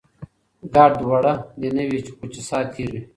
ګړد وړه دی نه وي، خو چې سات تیر وي.